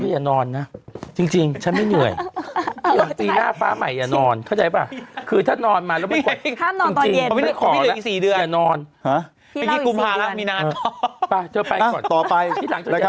ยังไม่อ่านอีก๔เดือน